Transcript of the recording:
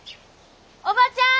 おばちゃん！